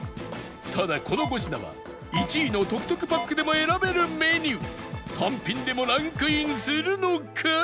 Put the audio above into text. ただこの５品は１位のトクトクパックでも選べるメニュー単品でもランクインするのか？